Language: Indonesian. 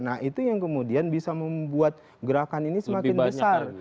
nah itu yang kemudian bisa membuat gerakan ini semakin besar